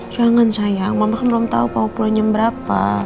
jangan sayang mama kan belum tau bawa pulangnya berapa